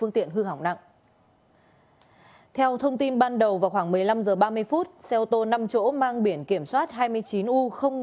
theo thông tin ban đầu vào khoảng một mươi năm h ba mươi xe ô tô năm chỗ mang biển kiểm soát hai mươi chín u một một mươi năm